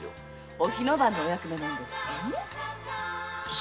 お火の番のお役目なんですって。